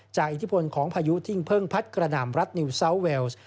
อิทธิพลของพายุที่เพิ่งพัดกระหน่ำรัฐนิวซาวเวลส์